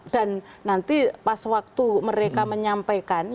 dan nanti pas waktu mereka menyampaikan